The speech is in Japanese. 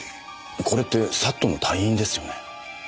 これってＳＡＴの隊員ですよね。